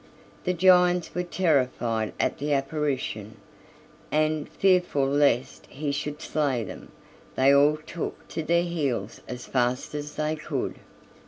The giants were terrified at the apparition, and, fearful lest he should slay them, they all took to their heels as fast as they could.